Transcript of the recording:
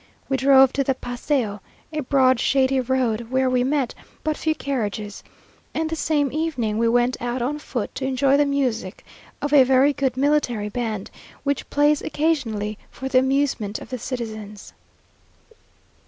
We drove to the paséo, a broad, shady road, where we met but few carriages; and the same evening we went out on foot to enjoy the music of a very good military band, which plays occasionally for the amusement of the citizens.